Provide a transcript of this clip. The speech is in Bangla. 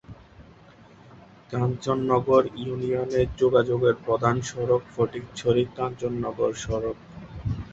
কাঞ্চননগর ইউনিয়নে যোগাযোগের প্রধান সড়ক ফটিকছড়ি-কাঞ্চননগর সড়ক।